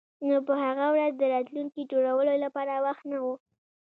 نو په هغه ورځ د راتلونکي جوړولو لپاره وخت نه و